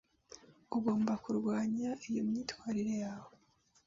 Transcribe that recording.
Ugomba kurwanya iyo myitwarire yawe.